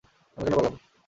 আমি কেন পালবো?